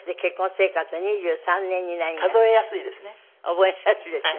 覚えやすいですね。